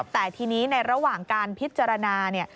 แต่ทีนี้ในระหว่างการพิจารณาเนี่ย